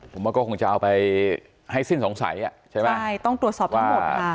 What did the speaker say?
ผมว่าก็คงจะเอาไปให้สิ้นสงสัยอ่ะใช่ไหมใช่ต้องตรวจสอบทั้งหมดค่ะ